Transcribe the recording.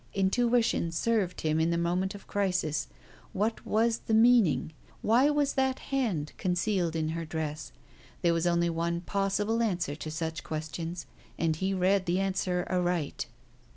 Intuition served him in the moment of crisis. What was the meaning? Why was that hand concealed in her dress? There was only one possible answer to such questions, and he read the answer aright.